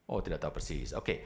oh tidak tahu persis oke